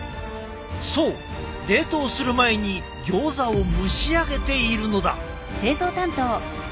そう冷凍する前にギョーザを蒸し上げているのだ。